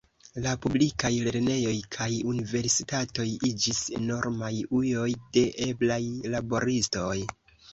La publikaj lernejoj kaj universitatoj iĝis enormaj ujoj de eblaj laboristoj.